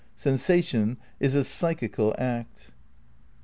. "Sensation is a psychical act."